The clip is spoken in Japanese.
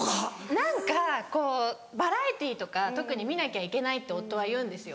何かこうバラエティーとか特に見なきゃいけないって夫は言うんですよ